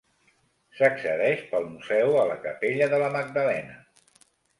S'accedeix pel museu a la capella de la Magdalena.